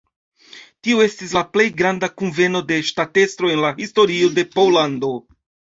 Tio estis la plej granda kunveno de ŝtatestroj en la historio de Pollando.